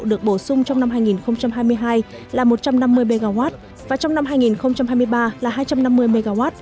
được bổ sung trong năm hai nghìn hai mươi hai là một trăm năm mươi mw và trong năm hai nghìn hai mươi ba là hai trăm năm mươi mw